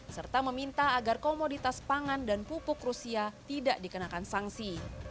serta meminta agar komoditas pangan dan pupuk rusia tidak dikenakan sanksi